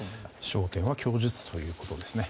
焦点は供述ということですね。